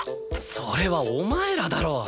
それはお前らだろ。